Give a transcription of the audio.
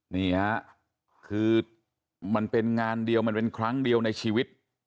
นี่ฮะคือมันเป็นงานเดียวมันเป็นครั้งเดียวในชีวิต